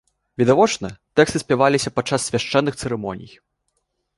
Відавочна, тэксты спяваліся падчас свяшчэнных цырымоній.